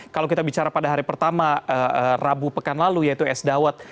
kalau kita bicara pada hari pertama rabu pekan lalu yaitu es dawet